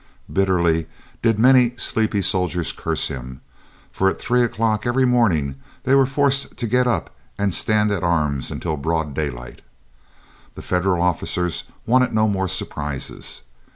Bitterly did many sleepy soldiers curse him, for at three o'clock every morning they were forced to get up and stand at arms until broad daylight. The Federal officers wanted no more surprises.